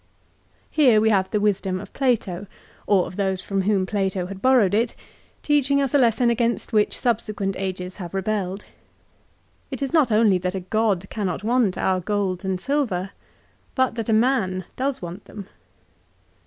1 Here we have the wisdom of Plato, or of those from whom Plato had borrowed it, teaching us a lesson against which subsequent ages have rebelled. It is not only that a god cannot want our gold and silver, but that a man does want them.